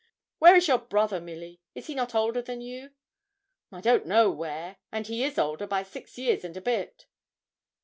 Where is your brother, Milly; is not he older than you?' 'I don't know where; and he is older by six years and a bit.'